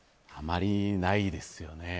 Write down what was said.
あまりないですよね。